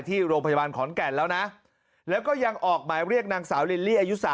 ที่โรงพยาบาลขอนแก่นแล้วนะแล้วก็ยังออกหมายเรียกนางสาวลิลลี่อายุ๓